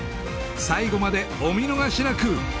最後までお見逃しなく！